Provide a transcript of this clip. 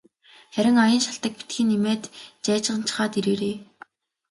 Харин аян шалтаг битгий нэмээд жайжганачхаад ирээрэй.